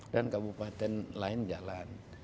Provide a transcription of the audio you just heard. dan kabupaten lain jalan